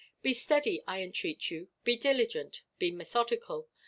Be steady, I entreat you; be diligent, be methodical.